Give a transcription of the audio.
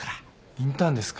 インターンですか。